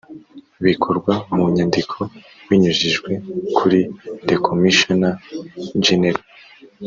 bikorwa mu nyandiko binyujijwe kuri the Commissioner General